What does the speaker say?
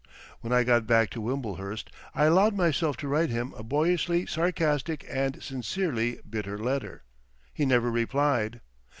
When I got back to Wimblehurst I allowed myself to write him a boyishly sarcastic and sincerely bitter letter. He never replied.